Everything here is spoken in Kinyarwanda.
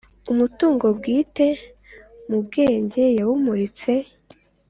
umutungo bwite mu byubwenge yawumuritse